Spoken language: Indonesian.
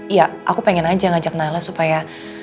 iya aku pengen aja ngajak nala supaya